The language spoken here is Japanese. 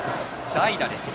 代打です。